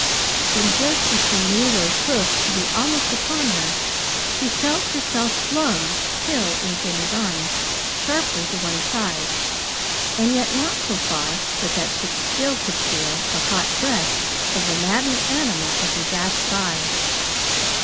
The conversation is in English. Then, just as she knew those hoofs to be almost upon her, she felt herself flung, still in Jimmy's arms, sharply to one side, and yet not so far but that she still could feel the hot breath of the maddened animal as he dashed by.